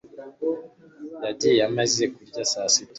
yagiye amaze kurya saa sita